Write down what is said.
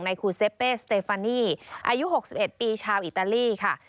ในครูเซเปสเตฟานีอายุหกสิบเอ็ดปีชาวอิตาลีค่ะ